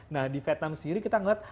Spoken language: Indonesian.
nah di vietnam sendiri kita melihat